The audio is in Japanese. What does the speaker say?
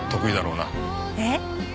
えっ？